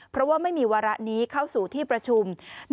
เพราะว่าไม่มีวาระนี้เข้าสู่ที่ประชุม